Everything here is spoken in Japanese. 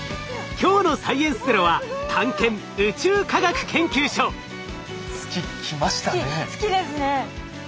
今日の「サイエンスＺＥＲＯ」は月ですね。